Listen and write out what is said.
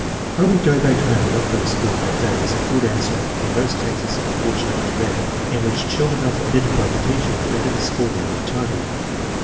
"I would go back home and not go to school that day" is a good answer in those cases (fortunately rare) in which children are forbidden by the teacher to enter the schoolroom if tardy.